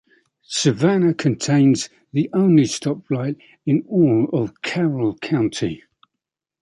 Savanna contains the only stoplight in all of Carroll County.